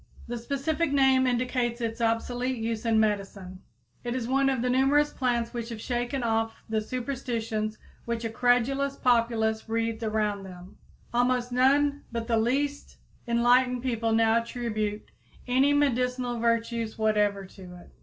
The specific name indicates its obsolete use in medicine. It is one of the numerous plants which have shaken off the superstitions which a credulous populace wreathed around them. Almost none but the least enlightened people now attribute any medicinal virtues whatever to it.